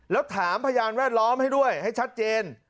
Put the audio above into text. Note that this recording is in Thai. แล้วถามพยานแวดล้อมให้ด้วยให้ชัดเจน